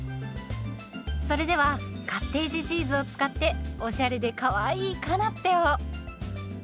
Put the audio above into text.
それではカッテージチーズを使っておしゃれでかわいいカナッペを。